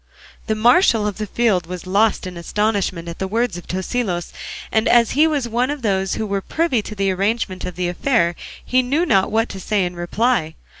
The marshal of the field was lost in astonishment at the words of Tosilos; and as he was one of those who were privy to the arrangement of the affair he knew not what to say in reply.